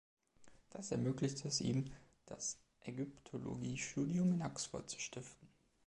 Das ermöglichte es ihm, das Ägyptologiestudium in Oxford zu stiften.